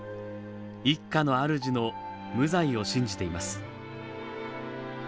一家のあるじの無罪を信じています。